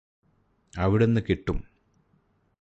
അവിടുന്ന് കിട്ടും